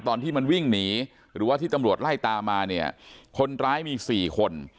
ตอนที่มันวิ่งหนีหรือว่าที่ตำรวจไล่ตามมาเนี่ยคนร้ายมีสี่คน